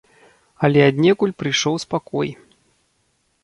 Але аднекуль прыйшоў спакой.